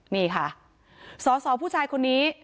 นี่ค่ะสอสอผู้ชายคนนี้